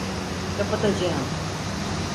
Kapatacağım.